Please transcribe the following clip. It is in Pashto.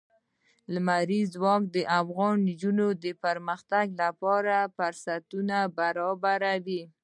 لمریز ځواک د افغان نجونو د پرمختګ لپاره فرصتونه برابروي.